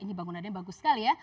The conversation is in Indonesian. ini bangunannya bagus sekali ya